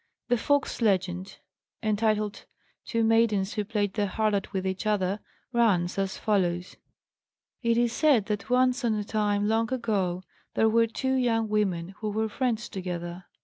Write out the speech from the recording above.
The Fox legend, entitled "Two Maidens who Played the Harlot with Each Other," runs as follows: "It is said that once on a time long ago there were two young women who were friends together.